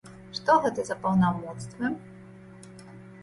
Што гэта за паўнамоцтвы?